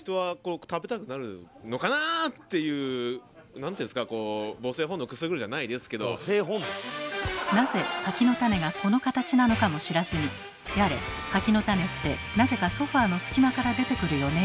何ていうんですかこうなぜ柿の種がこの形なのかも知らずにやれ「柿の種ってなぜかソファーの隙間から出てくるよね」